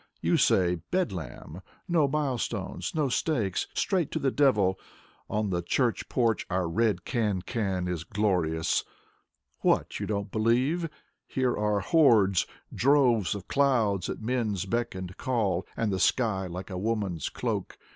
You say: Bedlam — No milestones — no stakes — Straight to the devil . On the church porch our red cancan is glorious. What, you don't believe? Here are hordes, Droves of clouds at men's beck and call, And the sky like a woman's cloak.